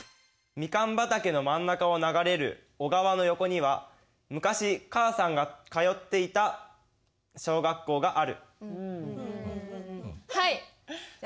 「蜜柑畑の真ん中を流れる小川の横には昔母さんが通っていた小学校がある」。